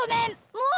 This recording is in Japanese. もう！